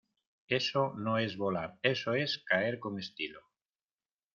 Eso no es volar. Eso es caer con estilo .